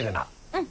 うん。